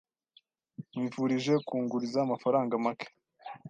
Nkwifurije kunguriza amafaranga make.